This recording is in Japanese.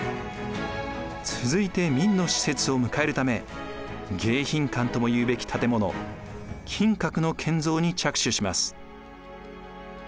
続いて明の使節を迎えるため迎賓館ともいうべき建物金閣の建造に着手します。